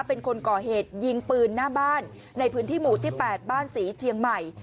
เป็นคนก่อเหตุยิงปืนหน้าบ้านในพื้นที่หมู่ที่๘บ้านศรีเชียงใหม่